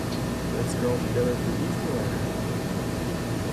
Let's go altogether to Disney Land.